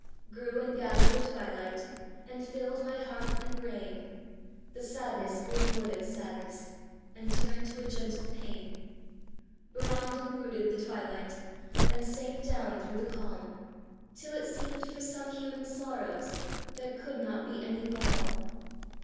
Grew and gathered the twilight, And filled my heart and brain; The sadness grew more than sadness, And turned to a gentle pain. Browned and brooded the twilight, And sank down through the calm, Till it seemed for some human sorrows There could not be any balm.